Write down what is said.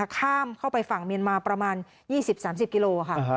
ข้ามเข้าไปฝั่งเมียนมาประมาณ๒๐๓๐กิโลค่ะ